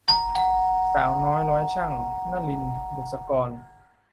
สาวน้อยร้อยชั่ง - นลิน บุษกร